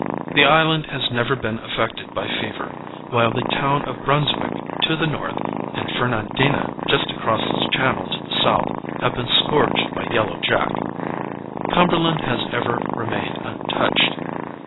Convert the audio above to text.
The island has never been afflicted by fever: while the town of Brunswick, to the north, and Fernandina, just across the channel to the south, have been scourged by Yellow Jack, Cumberland has ever remained untouched.